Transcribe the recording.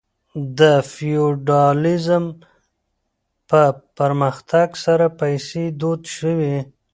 د فیوډالیزم په پرمختګ سره پیسې دود شوې.